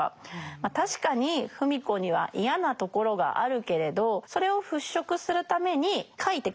ま確かに芙美子には嫌なところがあるけれどそれを払拭するために書いて書いて書きまくった。